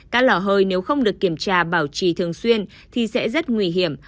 các lò hơi nếu không được kiểm tra bảo trì thường xuyên thì sẽ rất nguy hiểm